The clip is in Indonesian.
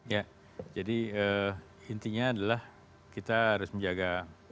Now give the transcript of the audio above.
ya jadi intinya adalah kita harus menjaga